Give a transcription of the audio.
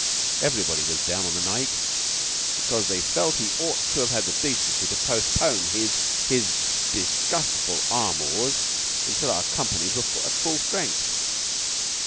Everybody was down on the Naick, because they felt he ought to have had the decency to postpone his his disgustful amours till our companies were full strength.